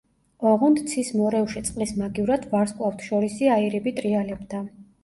ოღონდ ცის მორევში წყლის მაგივრად ვარსკვლავთშორისი აირები ტრიალებდა.